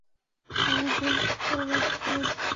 ওয়াদা, - পাক্কা ওয়াদা।